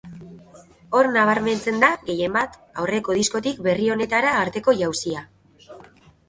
Hor nabarmentzen da gehienbat aurreko diskotik berri honetara arteko jauzia.